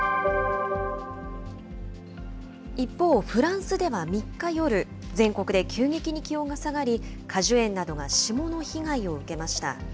一方、フランスでは３日夜、全国で急激に気温が下がり、果樹園などが霜の被害を受けました。